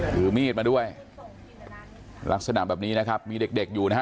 ถือมีดมาด้วยลักษณะแบบนี้นะครับมีเด็กเด็กอยู่นะฮะ